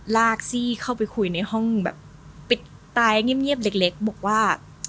ลากซี่เข้าไปคุยในห้องแบบปิดตายเงียบเล็กบอกว่า